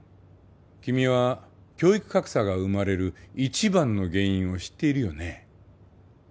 君は教育格差が生まれる一番の原因を知っているよね？